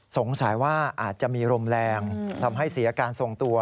สงสัยว่าอาจจะมีลมแรงทำให้เสียการทรงตัว